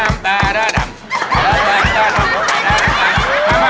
ไม่กินละ